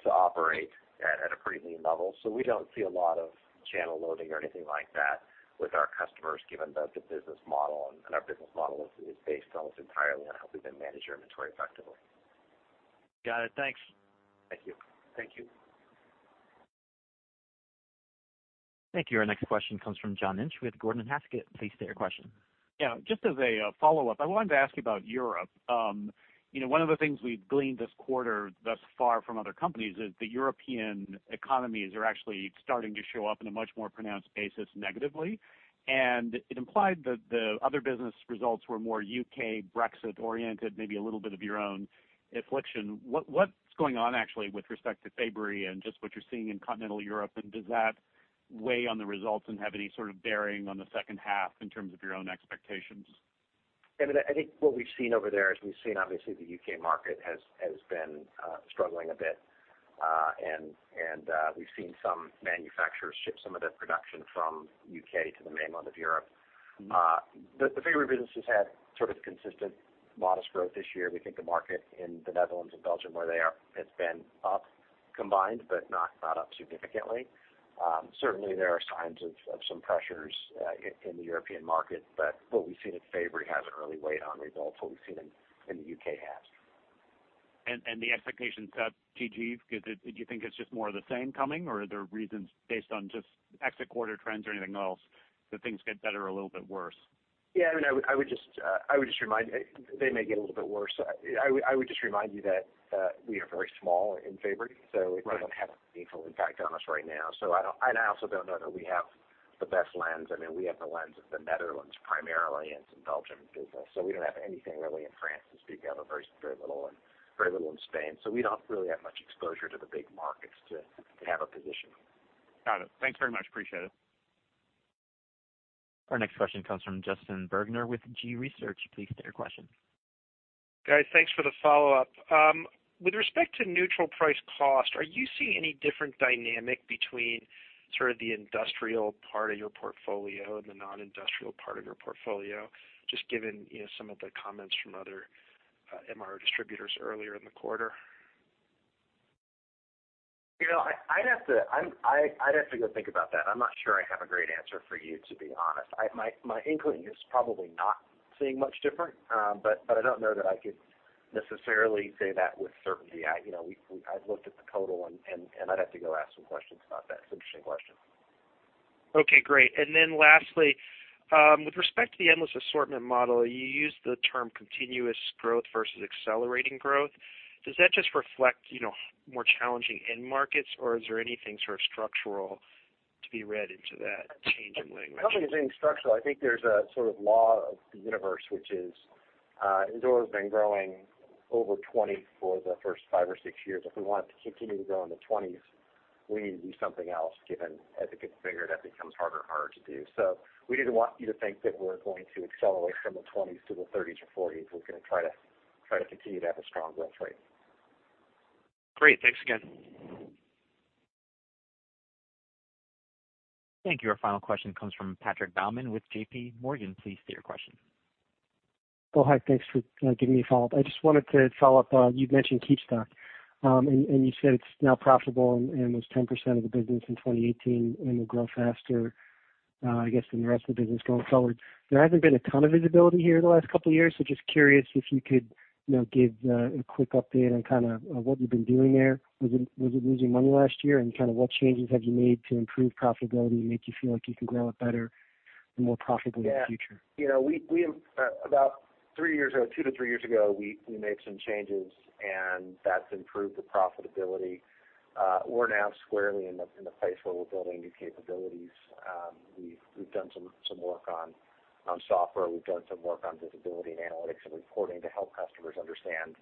operate at a pretty lean level. We don't see a lot of channel loading or anything like that with our customers, given the business model and our business model is based almost entirely on helping them manage their inventory effectively. Got it. Thanks. Thank you. Thank you. Thank you. Our next question comes from John Inch with Gordon Haskett. Please state your question. Yeah. Just as a follow-up, I wanted to ask you about Europe. You know, one of the things we've gleaned this quarter thus far from other companies is the European economies are actually starting to show up in a much more pronounced basis negatively. It implied that the other business results were more U.K., Brexit oriented, maybe a little bit of your own affliction. What's going on actually with respect to Fabory and just what you're seeing in continental Europe, and does that weigh on the results and have any sort of bearing on the second half in terms of your own expectations? I mean, I think what we've seen over there is we've seen obviously the U.K. market has been struggling a bit. We've seen some manufacturers ship some of their production from U.K. to the mainland of Europe. The Fabory business has had sort of consistent modest growth this year. We think the market in the Netherlands and Belgium, where they are, has been up combined, but not up significantly. Certainly there are signs of some pressures in the European market, what we've seen at Fabory hasn't really weighed on results. What we've seen in the U.K. has. The expectations, D.G., do you think it's just more of the same coming, or are there reasons based on just exit quarter trends or anything else that things get better or a little bit worse? Yeah, I mean, I would just remind, they may get a little bit worse. I would just remind you that we are very small in Fabory, so it doesn't have a meaningful impact on us right now. I also don't know that we have the best lens. I mean, we have the lens of the Netherlands primarily and some Belgian business. We don't have anything really in France to speak of, or very little, very little in Spain. We don't really have much exposure to the big markets to have a position. Got it. Thanks very much. Appreciate it. Our next question comes from Justin Bergner with G.research. Please state your question. Guy, thanks for the follow-up. With respect to neutral price cost, are you seeing any different dynamic between sort of the industrial part of your portfolio and the non-industrial part of your portfolio? Just given, you know, some of the comments from other MRO distributors earlier in the quarter. You know, I'd have to go think about that. I'm not sure I have a great answer for you, to be honest. My inkling is probably not seeing much different. I don't know that I could necessarily say that with certainty. I, you know, I've looked at the total and I'd have to go ask some questions about that. It's an interesting question. Okay, great. Then lastly, with respect to the endless assortment model, you used the term continuous growth versus accelerating growth. Does that just reflect, you know, more challenging end markets, or is there anything sort of structural to be read into that change in language? Nothing is being structural. I think there's a sort of law of the universe, which is, Endura's been growing over 20 for the first five or six years. If we want it to continue to grow in the 20s, we need to do something else, given as it gets bigger, that becomes harder and harder to do. We didn't want you to think that we're going to accelerate from the 20s to the 30s or 40s. We're going to try to continue to have a strong growth rate. Great. Thanks again. Thank you. Our final question comes from Patrick Baumann with JPMorgan. Please state your question. Oh, hi. Thanks for giving me a follow-up. I just wanted to follow up. You've mentioned KeepStock, and you said it's now profitable and was 10% of the business in 2018 and will grow faster, I guess, than the rest of the business going forward. There hasn't been a ton of visibility here the last couple of years, so just curious if you could, you know, give a quick update on kinda what you've been doing there. Was it losing money last year? Kinda what changes have you made to improve profitability and make you feel like you can grow it better and more profitably in the future? Yeah. You know, we have about three years ago, two to three years ago, we made some changes. That's improved the profitability. We're now squarely in the place where we're building new capabilities. We've done some work on software. We've done some work on visibility and analytics and reporting to help customers understand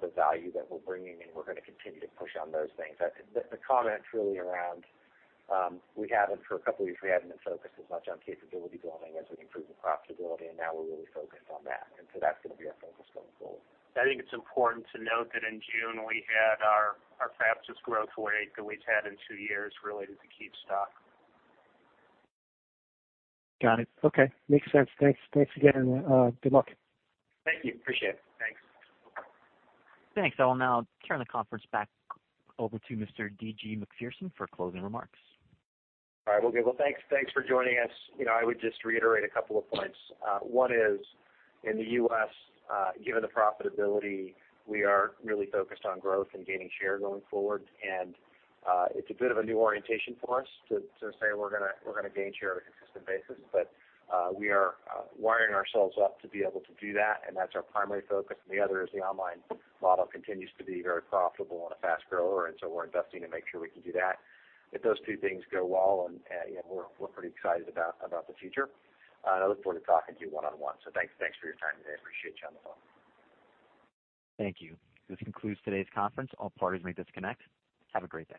the value that we're bringing. We're gonna continue to push on those things. The comment truly around for a couple of years, we haven't been focused as much on capability building as we've improved the profitability. Now we're really focused on that. That's gonna be our focus going forward. I think it's important to note that in June, we had our fastest growth rate that we've had in two years related to KeepStock. Got it. Okay. Makes sense. Thanks. Thanks again. Good luck. Thank you. Appreciate it. Thanks. Thanks. I will now turn the conference back over to Mr. D.G. Macpherson for closing remarks. All right. Well, good. Well, thanks for joining us. You know, I would just reiterate a couple of points. One is in the U.S., given the profitability, we are really focused on growth and gaining share going forward. It's a bit of a new orientation for us to say we're gonna gain share on a consistent basis. We are wiring ourselves up to be able to do that, and that's our primary focus. The other is the online model continues to be very profitable and a fast grower, and so we're investing to make sure we can do that. If those two things go well and we're pretty excited about the future, I look forward to talking to you one-on-one. Thanks for your time today. I appreciate you on the phone. Thank you. This concludes today's conference. All parties may disconnect. Have a great day.